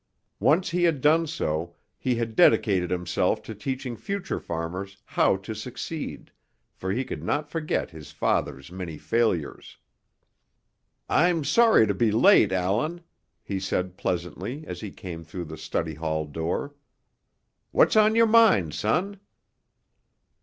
Once he had done so, he had dedicated himself to teaching future farmers how to succeed, for he could not forget his father's many failures. "I'm sorry to be late, Allan," he said pleasantly as he came through the study hall door. "What's on your mind, son?"